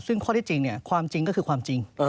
ซึ่งข้อที่จริงความจริงก็คือความจริง